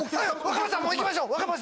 若林さん行きましょう！